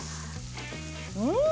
うん！